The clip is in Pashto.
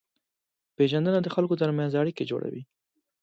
پېژندنه د خلکو ترمنځ اړیکې جوړوي.